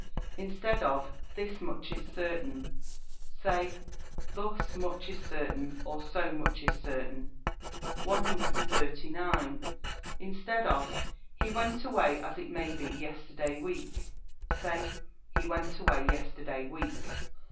Instead of "This much is certain," say "Thus much is certain," or, "So much is certain." 139. Instead of "He went away as it may be yesterday week," say "He went away yesterday week."